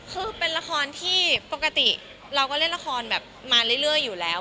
คือเป็นละครที่ปกติเราก็เล่นละครแบบมาเรื่อยอยู่แล้ว